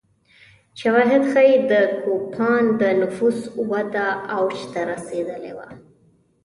شواهد ښيي د کوپان د نفوس وده اوج ته رسېدلې وه